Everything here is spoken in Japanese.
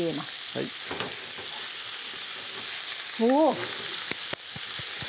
はいおぉ！